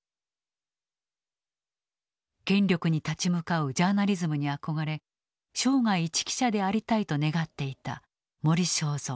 権力に立ち向かうジャーナリズムに憧れ生涯一記者でありたいと願っていた森正蔵。